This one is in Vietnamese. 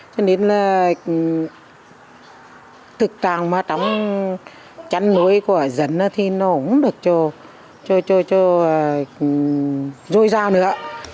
cho nên là thực trạng trong chăn nuôi của dân thì nó không được cho dôi giao nữa